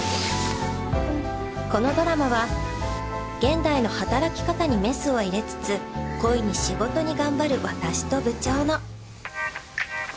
このドラマは現代の働き方にメスを入れつつ恋に仕事に頑張る私と部長の。